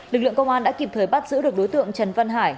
lực lượng công an đã kịp thời bắt giữ được đối tượng trần văn hải